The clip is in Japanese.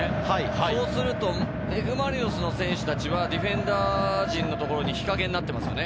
そうするとＦ・マリノスの選手はディフェンダー陣のところが日陰になっています。